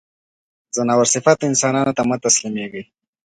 ځناور صفتو انسانانو ته مه تسلیمېږی.